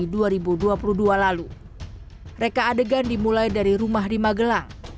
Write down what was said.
rekonstruksi yang digelar menggambarkan kejadian di tiga lokasi yang menjadi tempat perencanaan pembunuhan